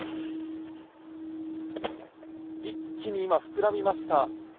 一気に今、膨らみました。